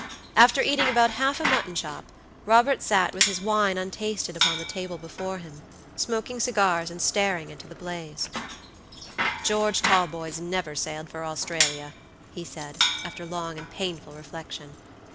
After eating about half a mutton chop, Robert sat with his wine untasted upon the table before him, smoking cigars and staring into the blaze. "George Talboys never sailed for Australia," he said, after long and painful reflection.